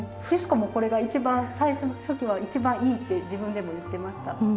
シスコもこれが一番最初の初期は一番いいって自分でも言ってました。